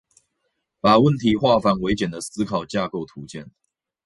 把問題化繁為簡的思考架構圖鑑